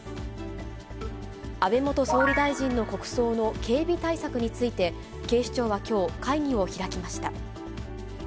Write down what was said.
安倍元総理大臣の国葬の警備対策について、警視庁はきょう会議を開きました。